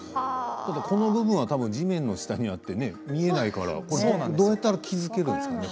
この部分は地面の下にあって見えないからどうやったら気付けるんですかね。